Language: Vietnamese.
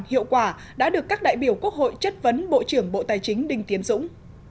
hiệu quả đã được các đại biểu quốc hội chất vấn bộ trưởng bộ tài chính đinh tiến dũng